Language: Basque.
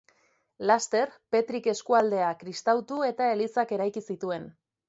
Laster Petrik eskualdea kristautu eta elizak eraiki zituen.